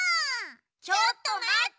ちょっとまって！